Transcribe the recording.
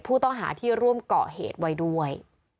ผู้ต้องหาที่ร่วมเกาะเหตุไว้ด้วย